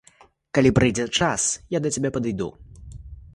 Калі прыйдзе час, я да цябе падыду.